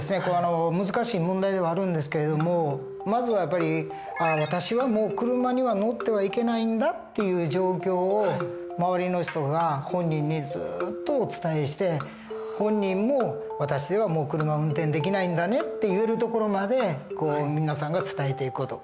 難しい問題ではあるんですけれどもまずはやっぱり「私はもう車には乗ってはいけないんだ」っていう状況を周りの人が本人にずっとお伝えして本人も「私ではもう車を運転できないんだね」って言えるところまで皆さんが伝えていく事。